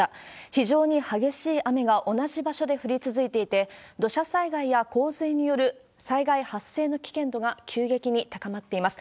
非常に激しい雨が、同じ場所で降り続いていて、土砂災害や洪水による災害発生の危険度が急激に高まっています。